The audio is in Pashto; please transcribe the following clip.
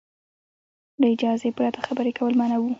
له اجازې پرته خبرې کول منع وو.